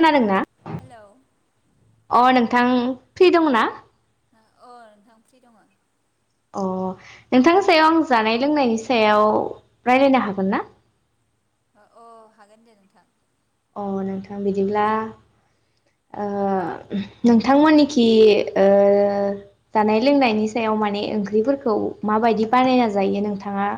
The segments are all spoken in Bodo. खोनादों ना? हेल'। नोंथां फ्रि दं ना? अ नोंथां फ्रि दङ। अ नोंथांनि सायाव आं जानाय लोंनायनि सायाव राय्लायनो हागोन ना? अ हागोन दे नोंथां। अ नोंथां बिदिब्ला, अ नोंथांमोननिखि जानाय लोंनायनि सायाव माने ओंख्रिफोरखौ माबायदि बानायना अ जायो नोंथाङा।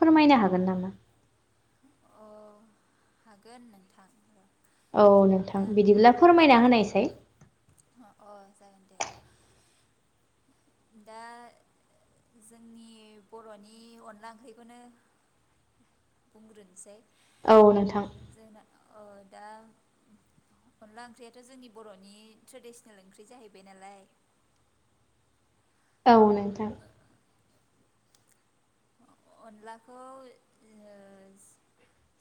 फोरमायनो हागोन नामा? अ हागोन नोंथां। औ नोंथां दा बिदिब्ला फोरमायना होनायसै। अ अ जागोन दे र' दा जोंनि बर'नि अनला ओंख्रिखौनो। बुंग्रोनसै। औ नोंथां। दा अनला ओंख्रियाथ' जोंनि बर'नि ट्रेडिसनेल ओंख्रि जाहैबाय नालाय। दटाउन द अनलाखौ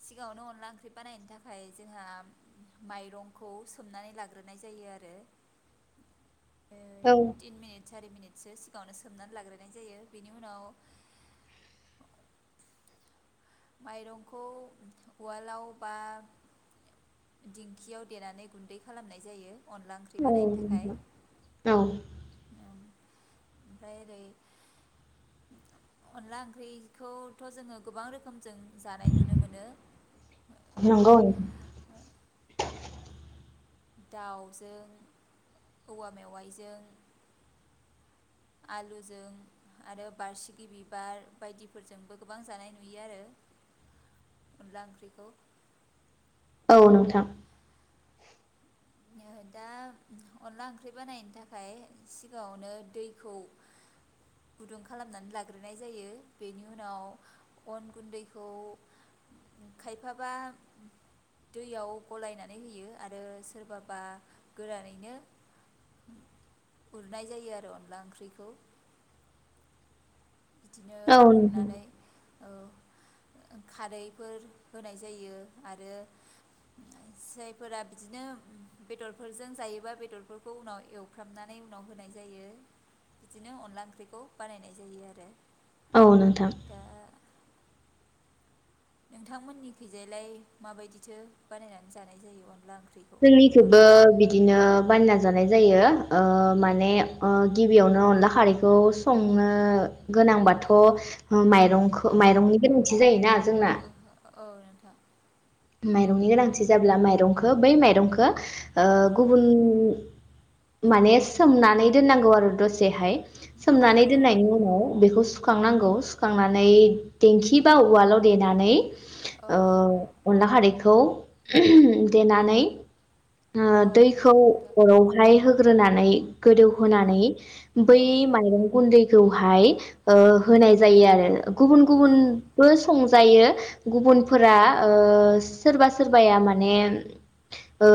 सिगाङावनो अनला ओंख्रि बानायनो थाखाय जोंहा माइरंखौ सोमनानै लाग्रोनाय जायो आरो। औ तिन मिनिट सारि मिनिट। ो सिगाङावनो सोमनानै लाग्रोनाय जायो बेनि उनाव। माइरंखौ उवालाव बा दिंखियाव देनानै गुन्दै खालामनाय जायो। अनला ओंख्रि औ बानायनो थाखाय। नोंथां औ ओमफ्राय ओरै अनला ओंख्रिखौथ' जोङो गोबां रोखोम जों जानाय नुनो मोनो। ओरै नंगौ नोंथां दाउजों औवा मेवाइजों आलुजों आरो बारसिगि बिबार बायदिफोरजोंबो गोबां जानाय नुयो आरो अनला ओंख्रिखौ। औ नोंथां। दा अनला ओंख्रि बानायनो थाखाय सिगाङावनो दैखौ गुदुं खालामनानै लाग्रोनाय जायो बेनि उनाव अन गुन्दैखौ खायफाबा दैयाव गलायनानै होयो आरो सोरबाबा गोरानैनो उरनाय जायो आरो अनला ओंख्रिखौ। बिदिनो औ नोंथां उरनानै औ खारैफोर होनाय जायो आरो जायफोरा बिदिनो बेदरफोरजों जायोबा बेदरफोरखौ उनाव एवफ्रामनानै उनाव होनाय जायो बिदिनो अनला ओंख्रिखौ बानायनाय जायो आरो। दे। औ नोंथां। नोंथांमोननि गैजायालाय माबायदिथो बानायनानै जानाय जायो अनला ओंख्रि। जोंनिखैबो बिदिनो बानायना ना जानाय जायो ओ माने ओ गिबियावनो अनला खारैखौ संनो गोनांबाथ' माइरंखो माइरंनि गोनांथि जायोना। जोंना औ नोंथां। माइरंनि गोनांथि जाब्ला माइरंखो बै माइरंखो ओ औ गुबुन माने सोमनानै दोननांगौ आरो दसेहाय। सोमनानै औ दोननायनि उनाव बेखौ सु सुखांनांगौ सुखांनानै देंखि बा उवालाव देनानै। औ ओ ला खारैखौ देनानै ओ दैखौ औ नोंथां अरावहाय ग्रोनानै गोदौहोनानै औ बै माइरं गुन्दै खौहाय ओ होनाय जायो आरो। गुबुन औ गुबुनबो संजा जायो गुबुनफोरा ओ सोरबा सोरबाया माने ओ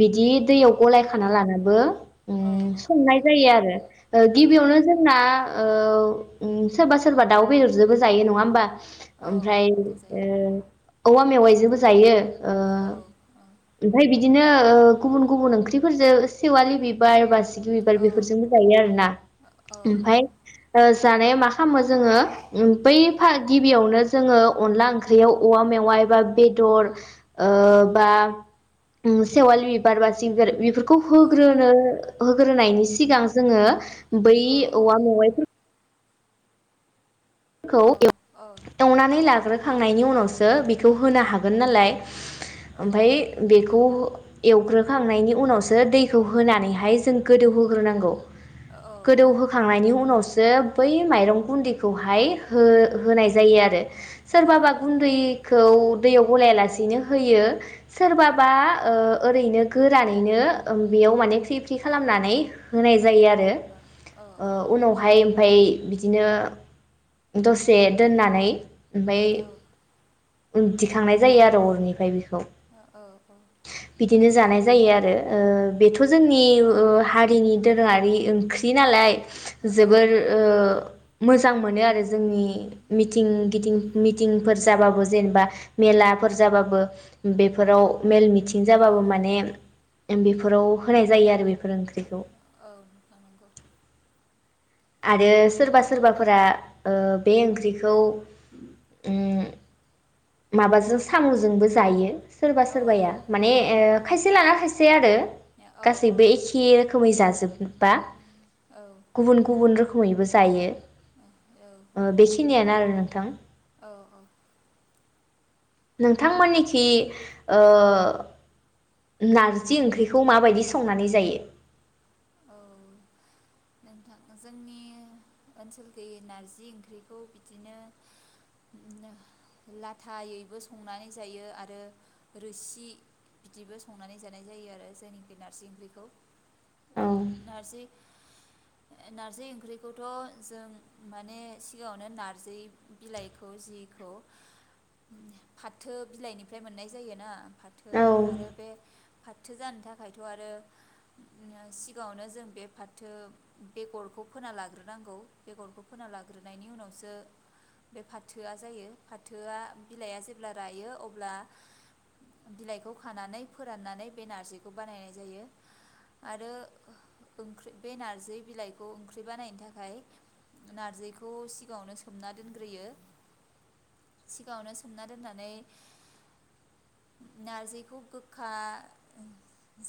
बिदि दैयाव गलाय खाना लानाबो औ औ संनाय नोंथां जायो आरो औ औ गिबियावनो जोंना औ उम सोरबा सोरबा दाउ बेदरजोंबो जायो नङा होमबा? औ औ ओमफ्राय नोंथां जायो ओ औवा मेवाइजोंबो जायो। ओ औ ओमफ्राय बिदिनो ओ गुबुन गुबुन ओंख्रिफोरजो सेवालि बिबार बा बिबार औ बेफोरजोंबो जायो आरोना ओमफ्राय ओ जानाया मा खालामो जोङो बै गिबियावनो जोङो अनला ओंख्रियाव औवा औवा मेवाय बा बेदर ओ बा सेवालि बिबार बासिखि बिबार खौ औ होग्रोनो होग्रोनायनि सिगां जोङो बै औ औ औ औवा मेवाइफोरखौ खौ औ औ एवनानै औ नोंथां लाग्रोखांनायनि उनावसो बि बेखौ होनो हागोन नालाय। औ ओमफ्राय बेखौ एवग्रोखांनायनि उनावसो दैखौ होनानैहाय जों गोदौहोग्रोनांगौ। औ गोदौ होखांनायनि उनावस जो बै माइरं गुदै खौहाय हो-होनाय जा जायो आरो औ सोरबाबा नंगौ नोंथां गुनदैखौ दैयाव गलायालासेनो होयो। औ सोरबाबा ओ ओरैनो गोरानैनो बेयाव माने फ्रि फ्रि खालामनानै होनाय जायो आरो औ उनावहाय ओमफाय बिदिनो दसे दोन्नानै ओमफाय उथिखांनाय जायो आरो अरनिफ्राय बेख‌ खौ औ बिदिनो जानाय दे जायो आरो बेथ जोंनि हारिनि दोरोङारि ओंख्रि नालाय औ औ जोबोर ओ मोज मोजां मोनो आरो जो जोंनि मिथिं गिदिं मिथिंफोर जाबाबो जेनेबा मेलाफोर जाबाबो बेफोराव मेल मिथिं जाबाबो माने बेफोराव होनाय जायो आरो बेफोर ओंख्रिखौ औ नोंथां‌ नंगौ आरो सोरबा सोरबाफोरा ओ बे ओंख्रिखौ उम माबाजों सामजोंबो जायो। सोरबा औ सोरबाया माने औ ओ औ नंगौ नोंथां खायसे लाना खायसे आरो औ गासैबो एखे रोखोमै जाजोब बा गुबन गुबैन रोखोमैबो जा जायो ओ बेखिनियानो आरो नोंथां औ नोंथांमोननिखि ओ नारजि ओंख्रिखौ माबायदि संनानै जायो? औ नोंथां जोंनि ओनसोलखैयै नारजि ओंख्रिखौ बिदिनो लाथायैबो संनानै जायो आरो रोसि बिदिबो संनानै जानाय जायो आरो जायनिखै नारजि ओंख्रिखौ औ नारजि नार्जि ओंख्रिखौथ' जों माने सिगाङावनो नारजि बिलाइखौ जिखौ फाथो बिलाइनिफ्राय मोननाय जायोना फाथ थो औ आरो बे फाथो जानो थाखायथ आरो सिगाङावनो जों बे फाथो बेगरखौ फोना लाग्रोनांगौ बेगरखौ फोना लाग्रोनायनि उनावसो बे फाथोआ जायो फाथोआ बिलाइआ जेब्ला रायो अब्ला बिलाइखौ खानानै फोराननानै बे नार्जिखौ बानायनाय जायो आरो ओंख्रि बे नार्जै बिलाइखौ ओंख्रि बानायनो थाखाय नारजैखौ सिगाङावनो सोमना दोनग्रोयो सिगाङावनो सोमना दोननानै नारजिखौ गोखा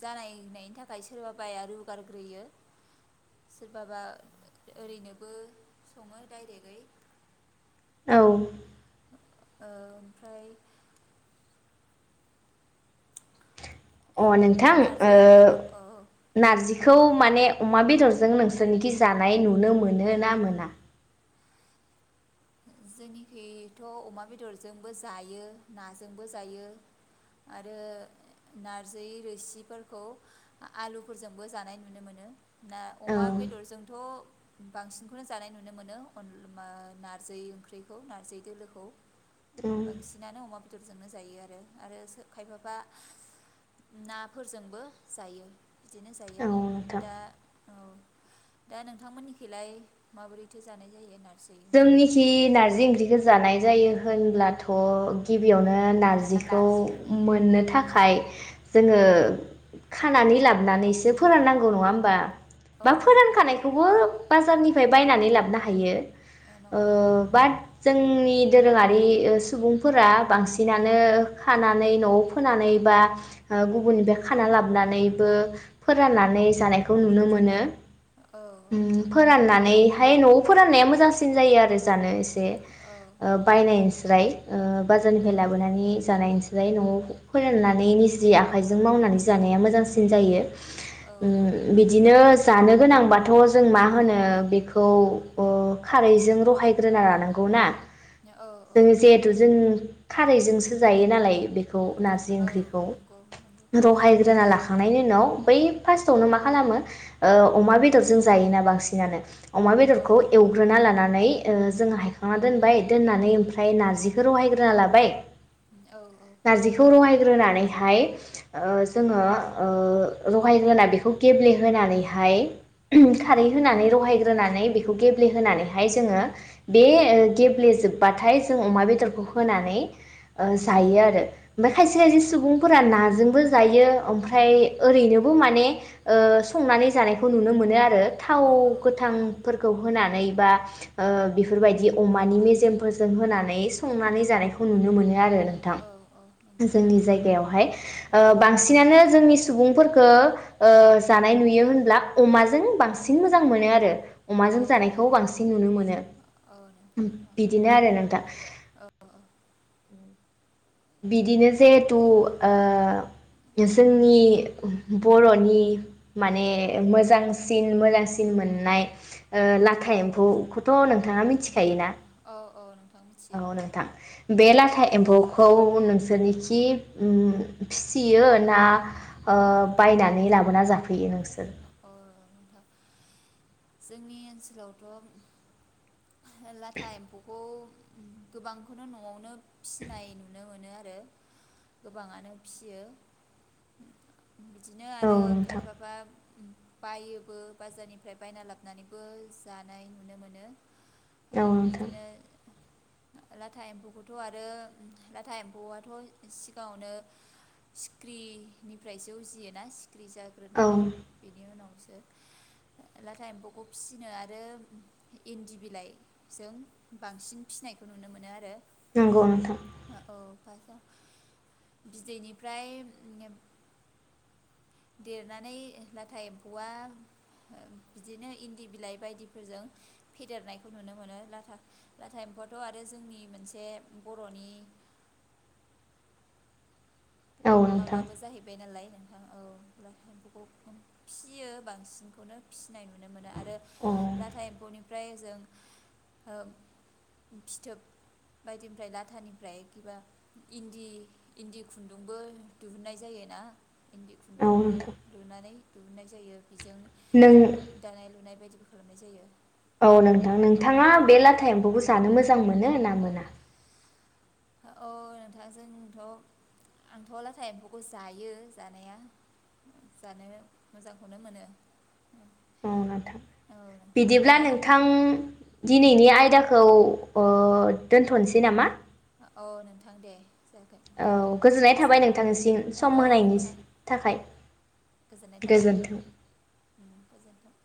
जानायनायनि थाखाय सोरबा बाया रुगारग्रोयो सोरबाबा ओरैनोबो सङो डायरेगै औ ओ ओमफ्राय अ नोंथां नारजि ओ ओंख्रिखौ औ नारजि बेखौ माने अमा बेदरजों नोंसोरनिखि जानाय नुनो मोन मोनो ना औ मोना? जोंनिखैथ अमा बेदरजोंबो जायो नाजोंबो जायो आरो नारजै रोसिफोरखौ आलुफोरजोंबो जानाय नुनो मोनो। दा औ अमा बेदरजोंथ बांसिनखौनो जानाय नुनो मोनो अन बा नार नारजै ओंख्रिखौ नारजै दोलोखौ औ बांसिनानो अमा बे फोरजोंनो जायो आरो आरो सो खायफाबा नाफोरजोंबो जायो। बिदिनो जायो औ नोंथां दा औ दा नोंथांमोननिखैलाय माबोरैथो जानाय जायो होननानै जोंनिखि नारजि ओंख्रिखौ जानाय जायो होनब्लाथ' गिबियावनो नारजिखौ मोननो थाख खाय जोङो खानानै लाबोनानैसो फोराननांगौ नङा होमबा? औ बा नोंथां नंगौ फोरानखानायखौबो बाजारनि बायनानै लाबनो हायो। ओ नंगौ नंगौ बाद जोंनि नि दोरोङारि ओ सुबुंफोरा बांसिनानो खानानै न'आव फोनानै बा गुबुननिफ्राय खाना लाबोनानैबो फोराननानै जानायखौ नुनो मोनो। औ उम नंगौ फोराननानैहाय न'आव फोराननाया मोज न जायो आरो। जानो एसे औ बायनायनिस जाय ओ बाजारनिफ्राय लाबोनानै जानायस जाय न'आव फोराननानै निज्रि आखाइजों मावनानै जानाया मोजांसिन जायो। औ उम बिदिनो जानो गोनांबाथ' जों मा होनो बेखौ खारैजों रहायग्रोना लानांगौ ना। औ औ औ जों जिहेथु' जों खारैजोंसो जायो नालाय। बेखौ उम नारजि औ ओंख्रिखौ नंगौ नंगौ रहायग्रोना लाख थांनायनि उनाव बै फार्स्टआवनो मा खालामो ओ अमा बेदरजों जायोना बांसिनानो। अमा औ बेदरखौ एव लानानै ओ जोङो हायखांना दोनबाय दोननानै ओमफ्राय नारजिखौ रहायग्रोना लाबाय। औ उम नारजिखौ रहाय ग्रोनानैहाय ओ जोङो ओ रहायग्रोना बेखौ गेब्लेहानैहाय खारै औ होनानै रहायग्रोनानै खौ गे गेब्ले होनानैहाय जोङो बे गेब्लेेजोबबाथाय जों अमा बेदरखौ होनानै ओ जायो आरो। ओमफ्राय औ खायसे खायसे सुबुंफोरा नाजों बो जायो ओमफ्राय ओरैनोबो माने ओ संनानै जानायखौ नुनो मोनो आरो। थाव गोथांफोरखौ होनानै बा ओ बेफोरबायदि अमानि मेजेमफोरजों होनानै संनानै जानायखौ नुनो मोनो आरो। थां औ औ नंगौ जोंनि नोंथां जायगायावहाय औ बांसिनानो जोंनि सुबुंफोर ओ जानाय नुयो होनब्ला अमाजों बांसिन मोजां मोनो आरो औ अमाजों औ जानायखौ बांसिन नुनो मोनो औ नोंथां औ बिदिनो आरो नोंथां बिदिनो जिहेथु ओ जोंनि बर'नि माने मोजांसिन मोजांसिन मोननाय लाथा एम्फौखौथ' नोंथाङा मिथिखायोना औ औ औ मिथियो औ नोंथां बे औ लाथा एम्फौखौ उन नोंसोरनिखि फिसियो ना ओ बायनानै लाबोना जाफैयो नोंसोर औ नोंथां जोंनि ओनसोलावथ' लाथा एम्फौखौ गोबांखौनो न'आवनो फिसिनाय नुनो मोनो आरो गोबाङानो फियो बिदिनो औ आरो नोंथां खायफबा बायो बो बाजारनिफ्राय बायना लाबोनानैबो जानाय नुनो मोनो औ नोंथां बिदिनो लाथा एम्फौखौथ' आरो लाथा एम्फौआथ' सिगाङावनो सिख्रिनिफ्रायसो उजियोना सिख्रि औ जाग्रोनानै बिनि उनावसो लाथा एम्फौखौ फिसिनो आरो इन्दि बिलाइजों बांसिन फिनायखौ नुनो मोनो आरो नंगौ नोंथां औ बिदैनिफ्राय देरनानै लाथा एम्फौआ बिदिनो इन्दि बिलाइ बायदिफोरजों फेदेरनायखौ नुनो मोनो लाथा लाथा एम्फौआथ' आरो जोंनि मोनसे बर'नि औ नोंथां माबाबो जाहैबाय नालाय नोंथां औब्ला एम्फौखौ फिसियो बांसिनखौनो फिसिनाय नुनो मोनो आरो औ आरो लाथा एम्फौनिफ्राय ओ फिथोब बायदिनिफ्राय लाथानिफ्राय किबा इन्दि इन्दि खुन्दुंबो दिहुननाय जायो ना। इन्दि औ खुन्दुंबो नोंथां रुनानै दिहुननाय जायो। बेजों नों जों दानाय लुनाय बायदि खालामनाय जायो। औ नोंथां। औ नोंथाङा बे नोंथां लाथा एम्फौखौ जानो मो जां मोनो ना मोना? औ नोंथां जोंथ' आंथ' लाथा एम्फौखौ जायो जानाया जानो मोजांखौनो मोनो। औ नोंथां औ नोंथां बिदिब्ला दा नोंथां दिनैनि आयदाखौ ओ दोन्थ'नोसै नामा? औ नोंथां दे। जागोन औ दे‌। गोजोननाय दोनथ'नोसै थाबाय नोंथांनिसिम ओ। सम औ होनायनि नोंथां थाखाय गोजोननाय थाबाय गोजोन्थों उम गोजोनथों।